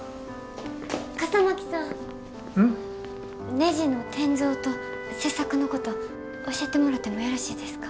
ねじの転造と切削のこと教えてもらってもよろしいですか？